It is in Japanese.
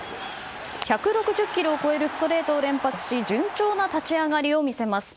１６０キロを超えるストレートを連発し順調な立ち上がりを見せます。